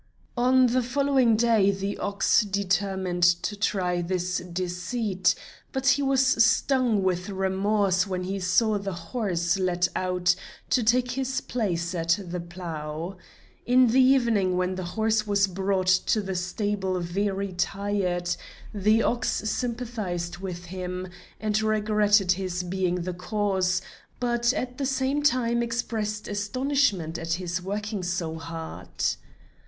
On the following day the ox determined to try this deceit, but he was stung with remorse when he saw the horse led out to take his place at the plough. In the evening, when the horse was brought to the stable very tired, the ox sympathized with him, and regretted his being the cause, but at the same time expressed astonishment at his working so hard.